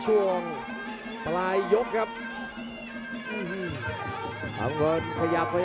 โอ้โหไม่พลาดกับธนาคมโด้แดงเขาสร้างแบบนี้